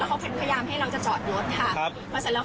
แล้วเขาก็เอาหินทางหลัง